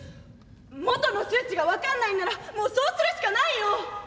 元の数値が分かんないんならもうそうするしかないよ。